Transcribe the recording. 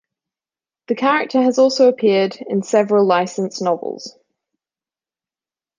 The character has also appeared in several licensed novels.